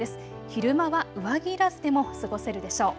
昼間は上着いらずでも過ごせるでしょう。